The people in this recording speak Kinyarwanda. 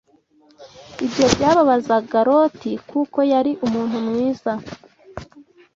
Ibyo byababazaga Loti kuko yari umuntu mwiza